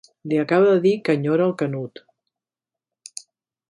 Li acaba de dir que enyora el Canut.